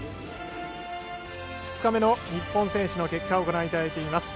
２日目の日本選手の結果をご覧いただいています。